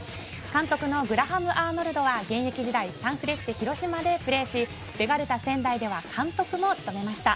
監督のグラハム・アーノルドは現役時代サンフレッチェ広島でプレーし、ベガルタ仙台では監督も務めました。